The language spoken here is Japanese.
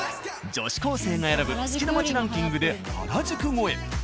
女子高生が選ぶ好きな街ランキングで原宿超え。